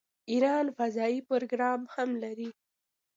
ایران فضايي پروګرام هم لري.